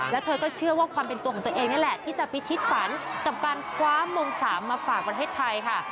แล้วเธอก็เชื่อว่าความเป็นตัวของตัวเองนี่แหละที่จะพิทิศฝันกับการคว้ามงสามมาฝากประเทศไทยค่ะ